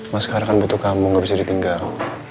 mas karakan butuh kamu gak bisa ditinggal